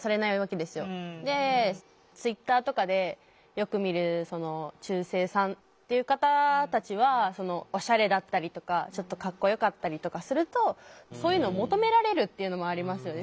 ツイッターとかでよく見る「中性さん」っていう方たちはオシャレだったりとかちょっとかっこよかったりとかするとそういうのを求められるっていうのもありますよね。